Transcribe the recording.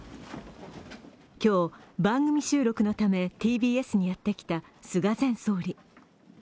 今日、番組収録のためＴＢＳにやってきた菅前総理。